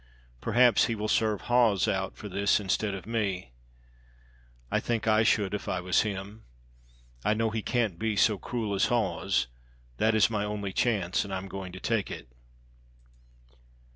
Perhaps He will serve Hawes out for this instead of me. I think I should if I was Him. I know He can't be so cruel as Hawes; that is my only chance, and I'm going to take it.